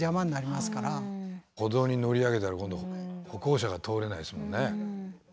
歩道に乗り上げたら今度歩行者が通れないですもんね。